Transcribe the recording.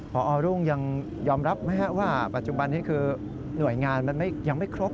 พอรุ่งยอมรับไหมว่าปัจจุบันนี้หน่วยงานยังไม่ครบ